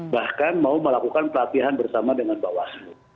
bahkan mau melakukan pelatihan bersama dengan bawaslu